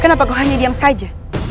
kenapa kau hanya diam saja